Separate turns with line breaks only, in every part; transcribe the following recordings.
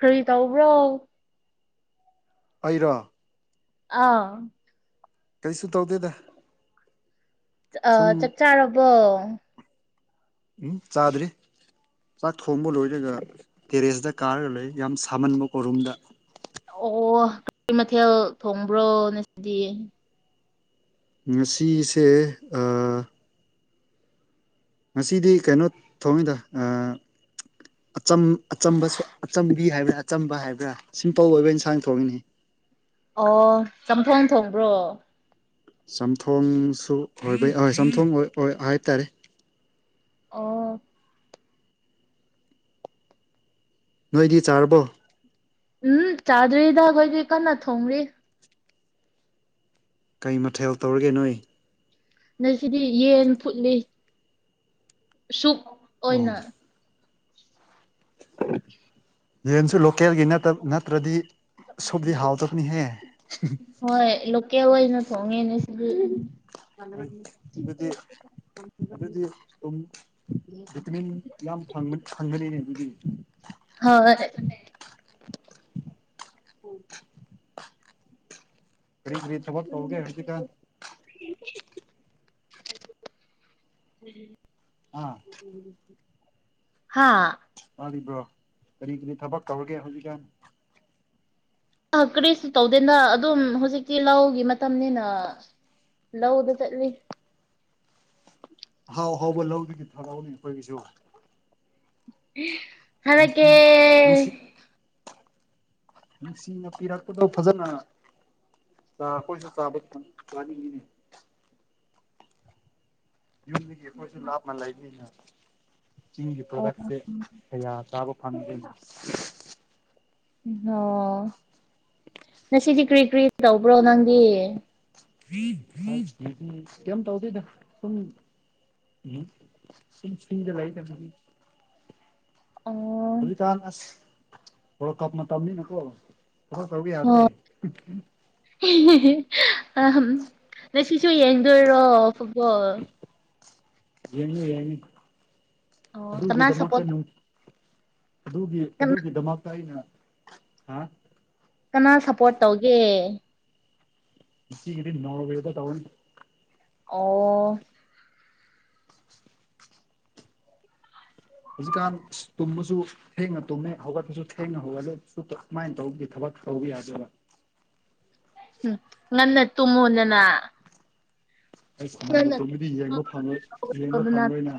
ꯀꯔꯤ ꯇꯧꯕ꯭ꯔꯣ
ꯑꯩꯔꯣ
ꯑꯥ
ꯀꯩꯁꯨ ꯇꯧꯗꯦꯗ
ꯑ
ꯁꯨꯝ
ꯆꯠꯆꯥꯔꯕꯣ
ꯎꯝ ꯆꯥꯗꯔ꯭ꯤ ꯆꯥꯛ ꯊꯣꯡꯕ ꯂꯣꯏꯔꯒ ꯇꯦꯔꯦꯁꯇ ꯀꯥꯔꯒ ꯂꯩꯌꯦ ꯌꯥꯝ ꯁꯥꯃꯟꯕꯀꯣ ꯔꯨꯝꯗ
ꯑꯣ ꯀꯔꯤ ꯃꯊꯦꯜ ꯊꯣꯡꯕ꯭ꯔꯣ ꯅꯁꯤꯗꯤ
ꯉꯁꯤꯁꯦ ꯑꯥ ꯉꯁꯤꯗꯤ ꯀꯩꯅꯣ ꯊꯣꯡꯉꯤꯗ ꯑꯆꯝꯕ ꯑꯆꯝꯕꯤ ꯍꯥꯏꯕ꯭ꯔꯥ ꯑꯆꯝꯕ ꯍꯥꯏꯕ꯭ꯔꯥ ꯁꯤꯝꯄꯜ ꯑꯣꯏꯕ ꯏꯟꯁꯥꯡ ꯊꯣꯡꯉꯤꯅꯤ
ꯑꯣ ꯆꯝꯊꯣꯡ ꯊꯣꯡꯕ꯭ꯔꯣ
ꯆꯝꯊꯣꯡꯁꯨ ꯍꯣꯏꯕꯩ ꯑꯣꯏ ꯆꯝꯊꯣꯡ ꯍꯥꯏꯇꯥꯔꯦ
ꯑꯣ
ꯅꯣꯏꯗꯤ ꯆꯥꯔꯕꯣ
ꯎꯝ ꯆꯥꯗꯔꯤꯗꯣꯏ꯭ꯔꯤ ꯀꯅꯥ ꯊꯣꯡ꯭ꯔꯤ
ꯀꯩ ꯃꯊꯦꯜ ꯇꯧꯔꯒꯦ ꯅꯣꯏ
ꯅ ꯁꯤꯗꯤ ꯌꯦꯟ ꯐꯨꯠꯂꯤ ꯁꯨꯛ
ꯑꯣ
ꯑꯣꯏꯅ
ꯌꯦꯟꯁꯨ ꯂꯣꯀꯦꯜꯒꯤ ꯅꯠꯇ꯭ꯔꯗꯤ ꯁꯨꯞꯗꯤ ꯍꯥꯎꯇꯕꯅꯤꯍꯦ
ꯍꯣꯏ ꯂ ꯑꯋꯥꯖ ꯅꯊ ꯍꯧꯉꯅꯤ ꯁꯤ
ꯑꯗꯨꯗꯤ ꯑꯗꯨꯗꯤ ꯇꯨꯝ
[unintelligible] [unintelligible]
ꯚꯤꯇꯃꯤꯟ ꯌꯥꯝ ꯐꯪꯅꯅꯤꯅꯦ ꯑꯗꯨꯒꯤ
ꯍꯣꯏ
ꯀꯔꯤ ꯀꯔꯤ ꯊꯕꯛ ꯇꯧꯒꯦ ꯍꯧꯖꯤꯛꯀ
ꯎꯝ
ꯑꯥ
ꯍꯥꯥ
ꯃꯥꯔꯤꯕ꯭ꯔꯣ ꯀꯔꯤ ꯀꯔꯤ ꯊꯕꯛ ꯇꯧꯔꯒꯦ ꯍꯧꯖꯤꯛꯀꯥꯟ
ꯑ ꯀꯔꯤꯁꯨ ꯇꯧꯗꯦꯗ ꯑꯗꯨꯝ ꯍꯧꯖꯤꯛꯇꯤ ꯂꯒꯤ ꯃꯇꯝꯅꯤꯅ ꯂꯧꯗ ꯆꯠꯂꯤ
ꯍꯥꯎ ꯍꯥꯎꯕ ꯂꯧꯗꯨꯒꯤ ꯊꯥꯔꯎꯅꯤ ꯑꯩꯈꯣꯏꯒꯤꯁꯨ
ꯑꯗꯨꯗ
ꯅꯨꯡꯁꯤ
ꯀꯦ
ꯅꯨꯡꯁꯤ ꯅꯨꯡꯁꯤꯅ ꯄꯤꯔꯛꯄꯗꯣ ꯐꯖꯅ ꯆꯥ ꯑꯩꯈꯣꯏꯁꯨ ꯆꯥꯕ ꯆꯥꯅꯤꯡꯉꯤꯅꯦ ꯌ ꯀꯣꯏꯁꯨ ꯂꯥ ꯃ ꯂꯩ ꯆꯤꯡꯒꯤ
ꯑꯣ
ꯄ꯭ꯔꯗꯛꯁꯦ ꯀꯌꯥ ꯆꯥꯕ ꯐꯪꯗꯦꯅ
ꯎ ꯑꯣꯣ ꯉꯁꯤꯗꯤ ꯀꯔꯤ ꯀꯔꯤ ꯇꯧꯕ꯭ꯔꯣ ꯅꯪꯗꯤ
ꯀꯩꯝ ꯇꯧꯗꯣꯏꯗ ꯁꯨꯝ ꯎꯝ ꯁꯤ ꯁꯗ ꯂꯩꯗꯒꯤ
ꯑꯣ
ꯍꯧꯖꯤꯛꯀꯥꯟꯅ ꯑꯁꯂ ꯀꯞꯅ ꯇꯝꯃꯤꯅꯀꯣ ꯀ ꯇꯧꯕ ꯌꯥꯗ꯭ꯔꯦ
ꯑ ꯉꯁꯤꯁꯨ ꯌꯦꯡꯗꯣꯏꯔꯣ ꯐꯨꯠꯕꯣꯜ
ꯌꯦꯡꯉ ꯌꯦꯡꯉꯤ
ꯑꯣ ꯀꯅꯥ ꯁꯞꯄꯣꯔꯠ
ꯑꯗꯨꯒꯤꯗꯃꯛꯇꯅ ꯑꯗꯨꯒꯤ
ꯀꯅꯥ
ꯑꯗꯨꯒꯤꯗꯃꯛꯇ ꯑꯩꯅ ꯍꯥ
ꯀꯅꯥ ꯁꯞꯄꯣꯔꯠ ꯇꯧꯒꯦ
ꯏ ꯏꯗꯤ ꯅꯣꯋꯦꯗꯣ ꯇꯣ
ꯑꯣ
ꯍꯧꯖꯤꯛꯀꯥꯟ ꯇꯨꯝꯃꯁꯨ ꯊꯦꯡꯅ ꯇꯨꯝꯃꯦ ꯍꯧꯒꯠꯄꯁꯨ ꯊꯦꯡꯅ ꯍꯧꯒꯠꯂ ꯀꯨꯃꯥꯏꯅ ꯇꯧꯕꯒꯤ ꯊꯕꯛ ꯇꯧꯕ ꯌꯥꯗꯣꯏꯕ
ꯎꯝ ꯉꯟꯅ ꯇꯨꯃ ꯅꯦꯅꯥ
ꯑꯩ ꯁꯅꯥꯟ ꯃꯇꯝꯗꯨꯗꯤ ꯌꯦꯡꯕ ꯐꯪꯉꯣꯏ ꯌꯦꯡꯕ ꯐꯪꯔꯣꯏꯅ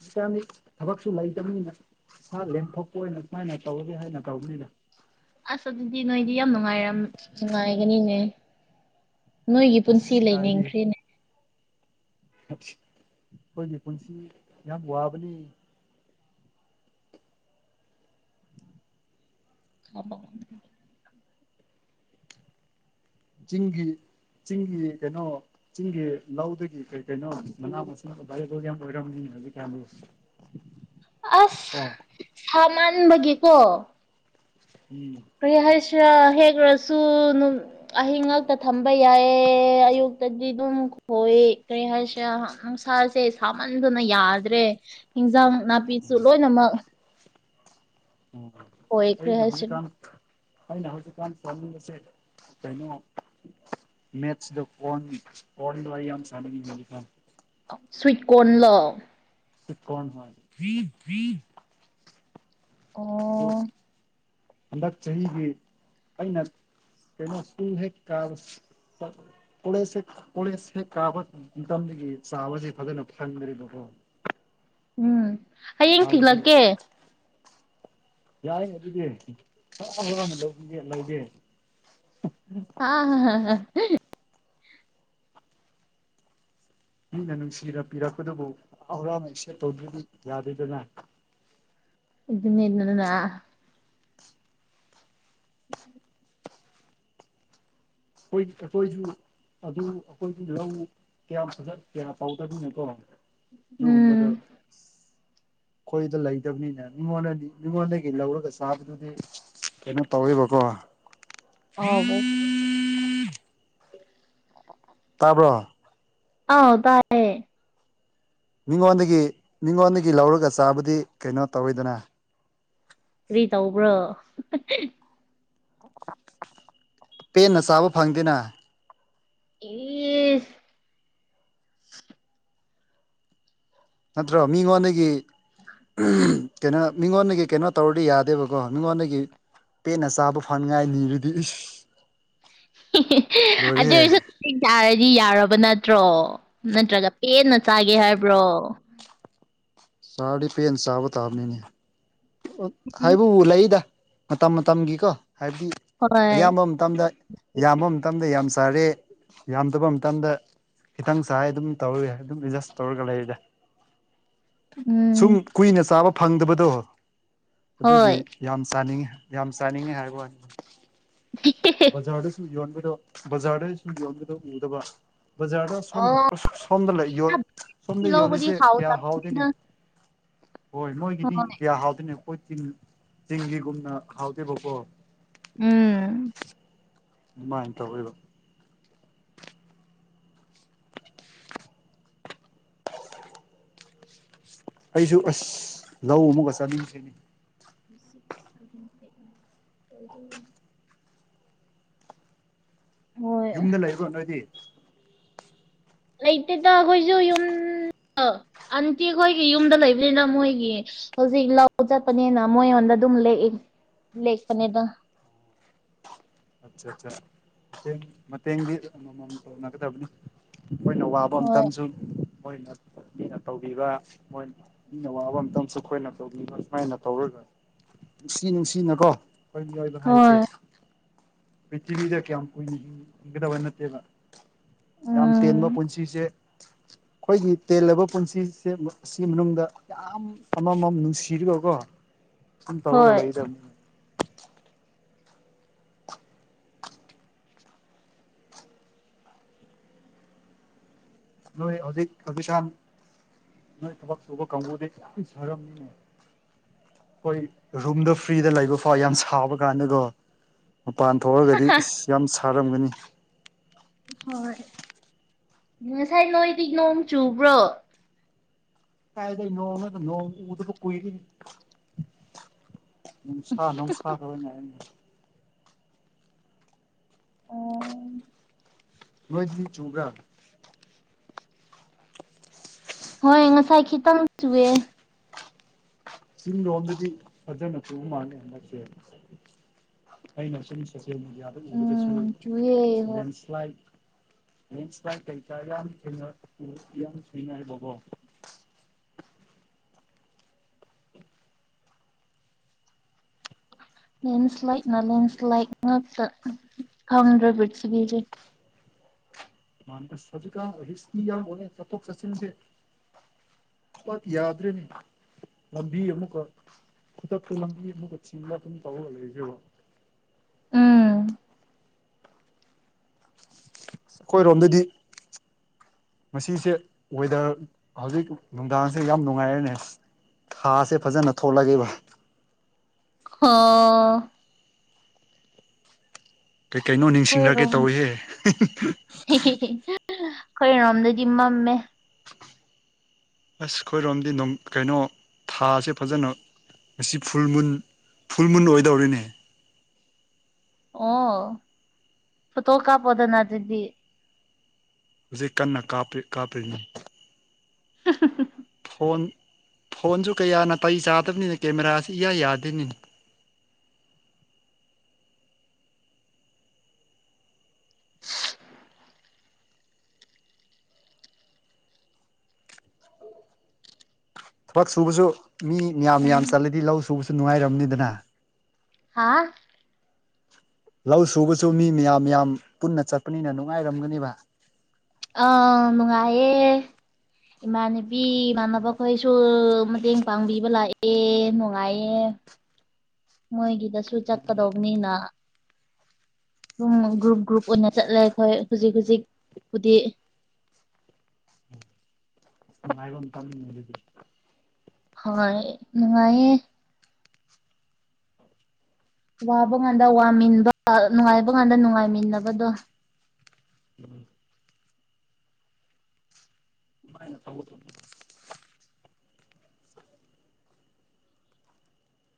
ꯆ ꯆꯥꯅꯤ ꯊꯕꯛꯁꯨ ꯂꯩꯇꯕꯅꯤꯅ ꯁꯥ ꯂꯦꯝꯊꯣꯛꯄ ꯑꯣꯏꯅ ꯀꯨꯃꯥꯏꯅ ꯇꯧꯒꯦ ꯍꯥꯏꯅ ꯇꯧꯅꯤꯗ
ꯑꯁ ꯑꯗꯨꯗꯤ ꯅꯣꯏꯗꯤ ꯌꯥꯝ ꯅꯨꯡꯉꯥꯏꯔ ꯅꯨꯡꯉꯥꯏꯒꯅꯤꯅꯦ ꯅꯣꯏꯒꯤ ꯄꯨꯟꯁꯤ
ꯑꯁ
ꯂꯩꯅꯤꯡꯈ꯭ꯔꯦꯅꯦ
ꯑꯩꯈꯣꯏꯅꯦ ꯄꯨꯟꯁꯤ ꯌꯥꯝ ꯋꯥꯕꯅꯤ
ꯑ
ꯆꯤꯡꯒꯤ ꯆꯤꯡꯒꯤ ꯀꯩꯅꯣ ꯆꯤꯡꯒꯤ ꯂꯧꯗꯒꯤ ꯀꯩ ꯀꯩꯅꯣ ꯃꯅꯥ ꯃꯁꯤꯡ ꯕꯥꯗꯧ ꯌꯥꯝ ꯑꯣꯏꯔꯝꯅꯤ ꯍꯧꯖꯤꯛ ꯀꯌꯥꯨ
ꯑꯁ ꯁꯥ ꯃꯥꯟꯕꯒꯤꯀꯣ
ꯎꯝ
ꯀꯔꯤ ꯍꯥꯏꯁ ꯍꯦꯒ꯭ꯔꯁꯨ ꯅꯨꯡ ꯑꯍꯤꯡ ꯉꯥꯛꯛꯇ ꯊꯝꯕ ꯌꯥꯏꯌꯦ ꯑꯌꯨꯛꯇꯗꯤ ꯑꯗꯨꯝ ꯈꯣꯏ ꯀꯔꯤ ꯍꯥꯏꯁꯤꯌꯥ ꯍꯥ ꯅꯨꯡꯁꯥꯁꯦ ꯁꯥꯃꯟꯗꯨꯅ ꯌꯥꯗ꯭ꯔꯦ ꯍꯤ__
[unintelligible]
ꯑꯣꯏꯈ꯭ꯔꯦ
ꯑꯩꯅꯥ ꯍꯧꯖꯤ
ꯍꯥꯏꯁꯤ
ꯀꯥꯟ ꯇꯧꯅꯤꯡꯕꯁꯦ ꯀꯩꯅꯣ ꯃꯦꯠꯁꯗ ꯀꯣꯟ ꯀꯣꯟꯗꯣ ꯑꯩ ꯌꯥꯝ ꯁꯥꯥꯟꯅꯤꯡꯉꯦ ꯏꯇꯥꯑꯣ
ꯁ꯭ꯤꯠ ꯀꯣꯟ ꯂꯣ
[unintelligible]
ꯑꯣ
ꯑꯗꯨ ꯍꯟꯗꯛ ꯆꯍꯤꯒꯤ ꯑꯩꯅ ꯀꯩꯅꯣ ꯁꯀꯨꯜ ꯍꯦꯛ ꯀꯔꯛ ꯄꯥ ꯀꯣꯂꯩꯁ ꯍꯦꯛ ꯀꯣꯂꯩꯁ ꯍꯦꯛ ꯀꯥꯕ ꯃꯇꯝꯗꯒꯤ ꯆꯥꯕꯁꯤ ꯐꯖꯅ ꯐꯪꯗ꯭ꯔꯤꯕꯀꯣ
[unintelligible]
ꯍꯥꯏꯕꯗꯤ
ꯊꯤꯜꯂꯛꯀꯦ
ꯌꯥꯏ ꯑꯗꯨꯗꯤ [unintelligible] ꯂꯧꯕꯤꯒꯦ ꯂꯧꯒꯦ [inaudible]
[inaudible]
ꯃꯤꯅ ꯅꯨꯡꯁꯤꯅ ꯄꯤꯔꯛꯄꯗꯨꯕꯨ ꯍꯔꯅ ꯏꯦꯞ ꯇꯧꯗꯗꯤ ꯌꯥꯗꯣꯏꯗꯅ
ꯑꯗꯨꯅꯤ ꯗꯅꯥ
ꯑꯩꯈꯣꯏ ꯑꯩꯈꯣꯏꯁꯨ ꯑꯗꯨ ꯑꯩꯈꯣꯏꯒꯤ ꯂꯧ ꯀꯌꯥꯝ ꯐꯖꯅ ꯀꯌꯥ ꯄꯥꯎꯗꯕꯅꯀꯣ
ꯎꯝ
ꯑꯗꯨꯒꯨꯝꯕꯗ ꯑꯩꯈꯣꯏꯗ ꯂꯩꯇꯕꯅꯤꯅ ꯃꯤꯉꯣꯟꯗꯗꯤ ꯃꯤꯉꯣꯟꯗꯒꯤ ꯂꯧꯔꯒ ꯆꯥꯕꯗꯨꯗꯤ ꯀꯩꯅꯣ ꯇꯧꯋꯣꯏꯕꯀꯦ
[unintelligible]
ꯇꯥꯕ꯭ꯔꯣ
ꯑꯥ ꯇꯥꯏꯌꯦ
ꯃꯤꯉꯣꯟꯗꯒꯤ ꯃꯤꯉꯣꯟꯗꯒꯤ ꯂꯧꯔꯒ ꯆꯥꯕꯗꯤ ꯀꯩꯅꯣ ꯇꯧꯋꯤꯗꯅ
ꯀꯔꯤ ꯇꯧꯕ꯭ꯔꯣ
ꯄꯦꯟꯅ ꯆꯥꯕ ꯐꯪꯗꯦꯅ
ꯑꯦ
ꯅꯠꯇ꯭ꯔꯣ ꯃꯤꯉꯣꯟꯗꯒꯤ ꯀꯩꯅꯣ ꯃꯤꯉꯣꯟꯗꯒꯤ ꯀꯩꯅꯣ ꯇꯧꯔꯗꯤ ꯌꯥꯗꯦꯕꯀꯣ ꯃꯤꯉꯣꯟꯗꯒꯤ ꯄꯦꯠꯟꯅ ꯆꯥꯕ ꯐꯅꯉꯥꯏ [unintelligible]
ꯑꯗꯨꯗ
ꯂꯣꯏꯔꯦꯍꯦ
ꯑꯣꯏꯁꯨ ꯆꯁꯤꯡ ꯆꯥꯔꯗꯤ ꯌꯥꯔꯕ ꯅꯠꯇ꯭ꯔꯣ ꯅꯠꯇ꯭ꯔꯒ ꯄꯦꯟꯅ ꯆꯥꯒꯦ ꯍꯥꯏꯕ꯭ꯔꯣ
ꯆꯥꯔꯗꯤ ꯄꯦꯟ ꯆꯥꯕ ꯇꯥꯕꯅꯤꯅꯦ
ꯎꯝ
ꯍꯥꯏꯕꯨ ꯂꯩꯗ ꯃꯇꯝ ꯃꯇꯝꯒꯤꯀꯣ ꯍꯥꯏꯕꯗꯤ
ꯍꯣꯏ
ꯑꯌꯥꯝꯕ_ _ ꯃꯇꯝꯗ ꯌꯥꯝꯕ ꯃꯇꯝꯗ ꯌꯥꯝ ꯁꯥꯔꯦ ꯌꯥꯝꯗꯕ ꯃꯇꯝꯗ ꯈꯤꯇꯪ ꯆꯥꯏ ꯑꯗꯨꯝ ꯇꯧꯔꯏ ꯑꯗꯨꯝ ꯑꯦꯗꯖꯁ ꯇꯧꯔꯒ ꯂꯩꯔꯦꯗꯥ ꯎ
ꯎꯝ
ꯀꯨꯏꯅ ꯆꯥꯕ ꯐꯪꯗꯕꯗꯣ ꯑꯗꯨꯒꯤ
ꯍꯣꯏ
ꯌꯥꯝ ꯆꯥꯅꯤꯡꯉꯤ ꯌꯥꯝ ꯆꯥꯅꯤꯡꯉꯤ ꯍꯥꯏꯕ ꯋꯥꯅꯤ
[inaudible]
ꯕꯖꯥꯔꯗꯁꯨ ꯌꯣꯟꯕꯗꯣ ꯕꯖꯥꯔꯗꯁꯨ ꯌꯣꯟꯕꯗꯣ ꯎꯗꯕ ꯕꯖꯥꯔꯗ ꯁꯣꯝ
ꯑꯣ
ꯁꯣꯝꯗ ꯌ
ꯕꯥꯁꯀꯤ
ꯁꯣꯝꯗ
ꯂꯧꯕꯗꯤ
ꯌꯣꯜꯂꯤꯁꯦ ꯀꯌꯥ
ꯍꯥꯎꯇꯕꯅꯤꯗ
ꯍꯥꯎꯗꯣꯏꯅꯤ ꯍꯣꯏ ꯃꯣꯏꯒꯤꯗꯤ
ꯍꯣꯏ
ꯀꯌꯥ ꯍꯥꯎꯗꯣꯏꯅꯦ ꯑꯩꯈꯣꯏ ꯇꯤꯟ ꯆꯤꯡꯒꯤꯒꯨꯝꯅ ꯍꯥꯎꯗꯦꯕꯀꯣ
ꯎꯝ
ꯑꯗꯨꯃꯥꯏꯅ ꯇꯧꯔꯤꯕ ꯑꯩꯁꯨ ꯑꯁ ꯂꯧ ꯎꯕꯥꯒ ꯆꯥꯅꯤꯡꯇꯦꯅꯦ
ꯁꯤꯁꯛ ꯁꯚꯦꯟ ꯑꯩꯏꯠ ꯅꯥꯏꯟ ꯂꯣꯏꯗꯣꯔꯕꯅꯤ ꯍꯣꯏ
ꯌꯨꯝꯗ ꯂꯩꯕꯔꯣ ꯅꯣꯏꯗꯤ
ꯂꯩꯇꯦꯗ ꯑꯩꯈꯣꯏꯁꯨ ꯌꯨꯝ ꯑꯟꯇꯤ ꯑꯩꯈꯣꯏꯒꯤ ꯌꯨꯝꯗ ꯂꯩꯕꯅꯤꯅ ꯃꯣꯏꯒꯤ ꯍꯧꯖꯤꯛ ꯂꯧ ꯆꯠꯄꯅꯤꯅ ꯃꯣꯏꯉꯣꯟꯗ ꯑꯗꯨꯝ ꯂꯦꯛꯏ ꯂꯦꯛꯄꯅꯦꯗꯥ
ꯑꯆꯥ ꯆꯥ ꯃꯇꯦꯡ ꯃꯇꯦꯡꯒꯤ ꯑꯃ ꯑꯃ ꯑꯃ ꯇꯧꯅꯥꯒꯗꯕꯅꯤ ꯃꯣꯏꯅ ꯋꯥꯕ
ꯍꯣꯏ
ꯃꯇꯝꯇꯁꯨ ꯃꯣꯏꯅ ꯃꯤꯅ ꯇꯧꯕꯤꯕ ꯃꯣꯏ ꯃꯤꯅ ꯑꯋꯥꯕ ꯑꯝꯇꯪꯁꯨ ꯑꯩꯈꯣꯏꯅ ꯇꯧꯕꯤꯕ ꯁꯨꯃꯥꯏꯅ ꯇꯧꯔꯒ ꯅꯨꯡꯁꯤ ꯅꯨꯡꯁꯤꯅꯀꯣ ꯑꯩꯏꯕꯗꯤ ꯑꯣꯏꯕꯥ ꯍꯥꯏꯁꯦ
ꯍꯣꯏ
ꯄꯔꯤꯊꯤꯕꯤꯗ ꯀꯌꯥꯝ ꯀꯨꯏꯅꯥ ꯍꯤꯡꯒꯗꯕ ꯅꯠꯇꯦꯕ ꯌꯥꯝ ꯇꯦꯟꯕ
ꯎꯝ
ꯄꯨꯟꯁꯤꯁꯦ ꯑꯩꯈꯣꯏꯒꯤ ꯇꯦꯜꯂꯕ ꯄꯨꯟꯁꯤꯁꯦꯝꯕ ꯑꯁꯤ ꯃꯅꯨꯡꯗ ꯌꯥꯝ ꯑꯃꯃꯝ ꯅꯨꯡꯁꯤꯔꯤꯒꯀꯣ ꯑꯗꯨꯨꯝ ꯇꯧꯔꯒ
ꯍꯣꯏ
ꯂꯩꯗꯕꯅꯤ ꯅꯣꯏ ꯍꯧꯖꯤꯛ ꯍꯧꯖꯤꯛꯀꯥꯟ ꯅꯣꯏ ꯊꯕꯛ ꯁꯨꯕ ꯀꯥꯡꯕꯨꯗꯤ ꯌꯥꯝ ꯁꯥꯔꯝꯅꯤꯅꯦ ꯑꯩꯈꯣꯏ ꯔꯨꯝꯗ ꯐ꯭ꯔꯤꯗ ꯂꯩꯕ ꯐꯥꯎ ꯌꯥꯝ ꯁꯥꯕ ꯀꯥꯟꯗꯀꯣ ꯃꯄꯥꯟ ꯊꯣꯛꯑꯒꯗꯤ ꯑꯁ ꯌꯥꯝ ꯁꯥꯔꯝꯒꯅꯤ
ꯍꯣꯏ ꯉꯁꯥꯏ ꯅꯣꯏꯗꯤ ꯅꯣꯡ ꯆꯨꯕ꯭ꯔꯣ
ꯀꯥꯏꯗꯩꯩ ꯅꯣꯡꯅꯣꯗ ꯅꯣꯡ ꯎꯗꯕ ꯀꯨꯏꯔꯦꯍꯦ ꯅꯨꯡꯁꯥ ꯅꯣꯡꯁꯥꯗꯥ ꯑꯣꯏꯅꯥ ꯍꯥꯏꯍꯟꯒꯦ
ꯑꯣ
ꯅꯣꯏꯗꯤ ꯆꯨꯕ꯭ꯔꯥ
ꯍꯣꯏ ꯉꯁꯥꯏ ꯈꯤꯇꯪ ꯆꯨꯑꯦ
ꯆꯤꯡ ꯂꯣꯝꯗꯗꯤ ꯐꯖꯅ ꯆꯨꯕ ꯃꯥꯜꯂꯦ ꯍꯟꯗꯛꯁꯦ ꯑꯩꯅ ꯁꯨꯝ ꯁꯣꯁꯦꯜ ꯃꯦꯗꯤꯌꯥꯗ ꯎꯕꯗꯥꯁꯨ
ꯎꯝ ꯆꯨꯌꯦ ꯍꯣꯏ
ꯁꯇꯨꯗꯦꯟꯁ ꯐ꯭ꯂꯥꯏꯠ ꯂꯦꯟ ꯁꯂꯥꯏꯠ ꯀꯩꯀꯥ ꯌꯥꯝ ꯊꯦꯡꯅ ꯎ ꯌꯥꯝ ꯊꯦꯡꯅꯩꯕꯀꯣ
ꯂꯦꯟꯁ꯭ꯂꯥꯏꯠꯅ ꯂꯦꯟꯁ꯭ꯂꯥꯏꯠ ꯉꯥꯛꯇꯥ ꯈꯪꯗ꯭ꯔꯦ ꯄꯔꯤꯊꯤꯕꯤꯁꯦ
ꯃꯥꯟ ꯑꯁ ꯍꯧꯖꯤꯛ ꯀꯥꯟ ꯔꯤꯁꯛꯀꯤ ꯌꯥꯝ ꯑꯣꯏꯌꯦ ꯆꯠꯊꯣꯛ ꯆꯠꯁꯤꯟꯁꯦ ꯄꯠ ꯌꯥꯗ꯭ꯔꯦꯅꯦ ꯂꯝꯕꯤ ꯑꯃꯨꯛꯀ ꯈꯨꯗꯛꯇ ꯂꯝꯕꯤ ꯑꯃꯒ ꯆꯤꯡꯂꯥꯥ ꯑꯗꯨꯝ ꯇꯧꯕꯔꯒ ꯂꯩꯁꯦꯕꯨ
ꯎꯝ
ꯑꯩꯈꯣꯏꯔꯣꯝꯗꯗꯤ ꯃꯁꯤꯁꯦ ꯋꯦꯗꯔ ꯍꯧꯖꯤꯛ ꯅꯨꯡꯗꯥꯡꯁꯦ ꯌꯥꯝ ꯅꯨꯡꯉꯥꯏꯔꯦꯅꯦ ꯊꯥꯁꯦ ꯐꯖꯅ ꯊꯣꯛꯂꯑꯦꯕ
ꯈꯥ
ꯀꯩ ꯀꯩꯅꯣ ꯅꯤꯡꯁꯤꯡꯂꯛꯀꯦ ꯇꯧꯏꯍꯦ
ꯈꯣꯏꯔꯣꯝꯗꯗꯤ ꯃꯝꯃꯦ
ꯑꯁ ꯈꯣꯏꯔꯣꯝꯗꯤ ꯅꯨꯃ ꯀꯩꯅꯣ ꯊꯥꯁꯦ ꯐꯖꯅ ꯑꯁꯤ ꯐꯨꯜ ꯃꯨꯟ ꯐꯨꯜ ꯃꯨꯟ ꯑꯣꯏꯗꯧꯔꯤꯅꯦ
ꯑꯣ ꯐꯣꯇꯣ ꯀꯥꯄꯣꯗꯅ ꯑꯗꯨꯗꯤ
ꯍꯧꯖꯤꯛ ꯀꯟꯅꯥ ꯀꯥꯞꯄꯤ ꯀꯥꯞꯄꯤꯅꯤ
ꯍ
ꯐꯣꯟ ꯐꯣꯟꯁꯨ ꯀꯌꯥ ꯅꯥꯇꯩ ꯆꯥꯗꯕꯅꯤꯅ ꯀꯦꯃꯦꯔꯥꯁꯤ ꯏꯌꯥ ꯌꯥꯗꯦꯅꯦ ꯊꯕꯛ ꯁꯨꯕꯁꯨ ꯃꯤ ꯃꯌꯥꯝ ꯃꯌꯥꯝ
ꯑꯩ
ꯆꯠꯂꯗꯤ ꯂꯧ ꯁꯨꯕꯁꯨ ꯅꯨꯡꯉꯥꯏꯔꯝꯅꯤꯗꯅ
ꯍꯥꯥ
ꯂꯧ ꯁꯨꯕꯁꯨ ꯃꯤ ꯃꯌꯥꯝ ꯃꯌꯥꯝ ꯄꯨꯟꯅ ꯆꯠꯄꯅꯤꯅ ꯅꯨꯡꯉꯥꯏꯔꯝꯒꯅꯦꯕ
ꯑ ꯅꯨꯡꯉꯥꯏꯌꯦ ꯏꯃꯥꯟꯅꯕꯤ ꯏꯥꯟꯅꯕ ꯈꯣꯏ ꯁꯨ ꯃꯇꯦꯡ ꯄꯥꯡꯕꯤꯕ ꯂꯥꯛꯑꯦ ꯅꯨꯡꯉꯥꯏꯌꯦ ꯃꯣꯏꯒꯤꯗꯁꯨ
ꯑꯗꯨ
ꯆꯠꯀꯗꯧꯕꯅꯤꯅ ꯑꯗꯨꯝ ꯒ꯭ꯔꯨꯞ ꯒ꯭ꯔꯨꯞ ꯎꯟꯅ ꯆꯠꯂꯦ ꯑꯩꯈꯣꯏ ꯍꯨꯖꯤꯛ ꯍꯨꯖꯤꯛꯄꯨꯗꯤ
ꯅꯨꯉꯥꯏꯕꯥ ꯃꯇꯝꯅꯤ ꯑꯗꯨꯗꯤ
ꯍꯣꯏ ꯅꯨꯡꯉꯥꯏꯌꯦ ꯋꯥꯕ ꯉꯥꯟꯗ ꯋꯥꯃꯤꯟꯕ ꯅꯨꯡꯉꯥꯏꯕ ꯀꯥꯟꯗ ꯅꯨꯡꯉꯥꯏꯃꯤꯟꯅꯕꯗꯣ
ꯎꯝ ꯀꯃꯥꯏꯅꯥ ꯇꯧꯕꯥꯗꯣ